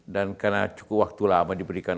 dan karena cukup waktu lama diberikan